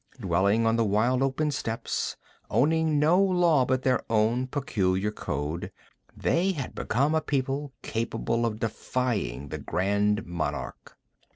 Dwelling on the wild, open steppes, owning no law but their own peculiar code, they had become a people capable of defying the Grand Monarch.